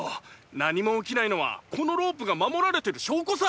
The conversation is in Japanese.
何も起きないのはこのロープが守られてる証拠さ！